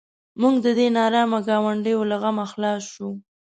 موږ د دې نارامه ګاونډیو له غمه خلاص شوو.